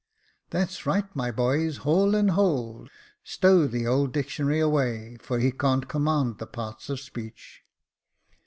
That's right, my boys, haul and hold stow the old Dictionary away — for he can't command the parts of speech.